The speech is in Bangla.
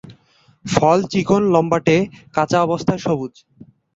ফল চিকন লম্বাটে, কাঁচা অবস্থায় সবুজ।